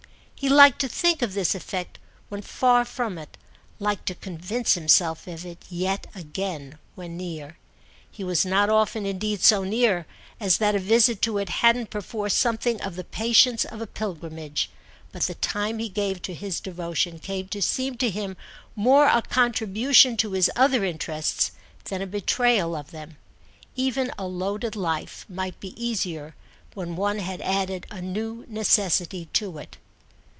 He liked to think of this effect when far from it, liked to convince himself of it yet again when near. He was not often indeed so near as that a visit to it hadn't perforce something of the patience of a pilgrimage; but the time he gave to his devotion came to seem to him more a contribution to his other interests than a betrayal of them. Even a loaded life might be easier when one had added a new necessity to it.